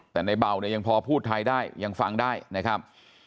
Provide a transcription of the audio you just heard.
แต่ในเบาเนี่ยยังพอพูดไทยได้ยังฟังได้นะครับ